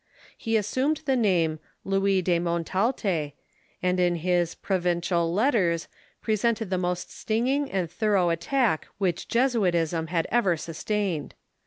He assumed the name Louis de Montalte, and in his " Pro vincial Letters " presented the most stinging and thorough at tack which Jesuitism has ever sustained.